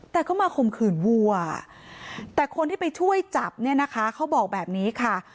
แต่ก็มาข่มขืนวัวแต่คนที่ไปช่วยจับเนี่ยนะคะเขาบอกแบบนี้ค่ะ